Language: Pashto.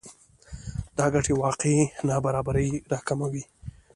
دا ګټې واقعي نابرابری راکموي